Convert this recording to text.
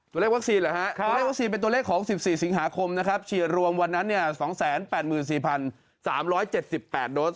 ตัวเลขวัคซีนเป็นตัวเลขของ๑๔สิงหาคมรวมวันนั้น๒๘๔๓๗๘โดส